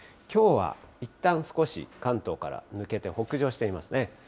きょうはいったん少し関東から抜けて、北上していますね。